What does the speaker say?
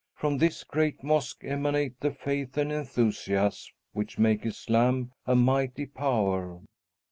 From this great mosque emanate the faith and enthusiasm which make Islam a mighty power."